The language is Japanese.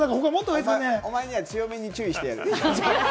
お前には強めに注意してやる。